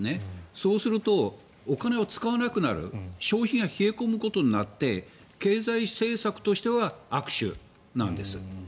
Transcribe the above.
そうするとお金を使わなくなる消費が冷え込むことになって経済政策としては悪手なんです。